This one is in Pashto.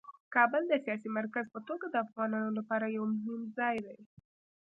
کابل د سیاسي مرکز په توګه د افغانانو لپاره یو مهم ځای دی.